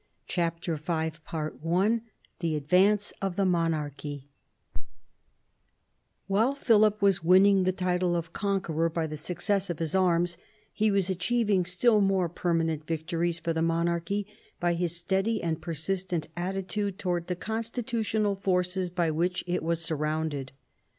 CHAPTEE V THE ADVANCE OF THE MONARCHY While Philip was winning the title of Conqueror by the success of his arms, he was achieving still more perma nent victories for the monarchy by his steady and per sistent attitude towards the constitutional forces by which it was surrounded.